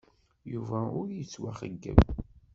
Yuba ur yettwaxeyyab.